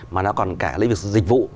mà nó còn cả lĩnh vực dịch vụ